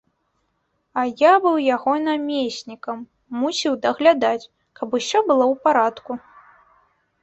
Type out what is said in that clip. А я быў яго намеснікам, мусіў даглядаць, каб усё было ў парадку.